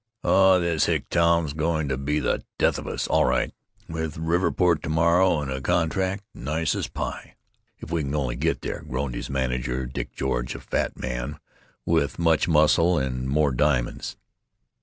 "Oh, this hick town 's going to be the death of us, all right—and Riverport to morrow, with a contract nice as pie, if we can only get there," groaned his manager, Dick George, a fat man with much muscle and more diamonds.